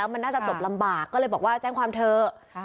มันน่าจะจบลำบากก็เลยบอกว่าแจ้งความเถอะ